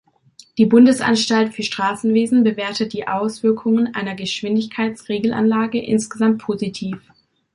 Die Bundesanstalt für Straßenwesen bewertet die Auswirkungen einer Geschwindigkeitsregelanlage insgesamt positiv.